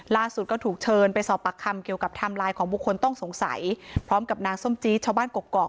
ล่าสุดก็ถูกเชิญไปสอบปากคำเกี่ยวกับไทม์ไลน์ของบุคคลต้องสงสัยพร้อมกับนางส้มจี๊ชาวบ้านกกอก